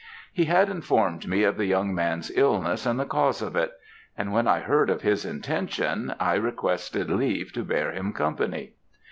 He had informed me of the young man's illness and the cause of it; and when I heard of his intention, I requested leave to bear him company.